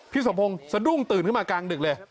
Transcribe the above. สมพงศ์สะดุ้งตื่นขึ้นมากลางดึกเลย